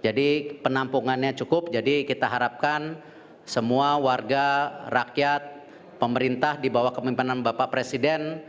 jadi penampungannya cukup jadi kita harapkan semua warga rakyat pemerintah di bawah kemimpanan bapak presiden